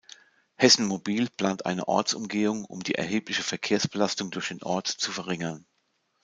Hessen Mobil plant eine Ortsumgehung um die erhebliche Verkehrsbelastung durch den Ort zu verringern.